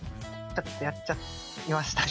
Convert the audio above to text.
ちょっとやっちゃいましたね。